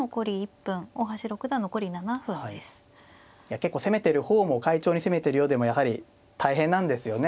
結構攻めてる方も快調に攻めてるようでもやはり大変なんですよね。